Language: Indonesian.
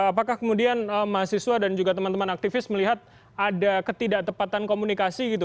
apakah kemudian mahasiswa dan juga teman teman aktivis melihat ada ketidaktepatan komunikasi gitu